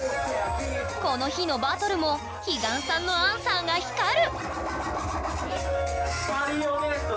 この日のバトルも彼岸さんのアンサーが光る！